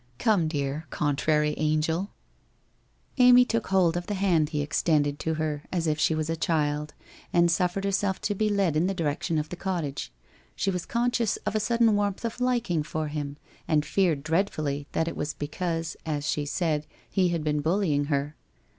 ' Come, dear contrary angel !' Amy took hold of the hand he extended to her as if she was a child, and suffered herself to be led in the direc tion of the cottage. She was conscious of a sudden warmth of liking for him, and feared dreadfully that it was be cause, as she said, he had been bullying her.